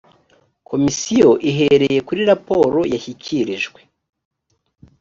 komisiyo ihereye kuri raporo yashyikirijwe